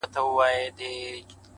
په زړه يې هر نقش سوی تور د قرآن وځي”